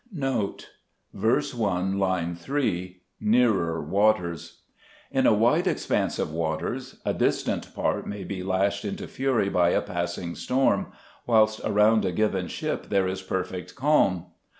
[Note.— Verse 1, line 3. Nearer waters. ' In a wide expanse of waters a distant part may be lashed into fury by a passing storm, whilst around a given ship there is perfect calm.